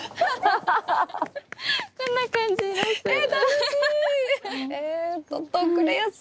こんな感じどす。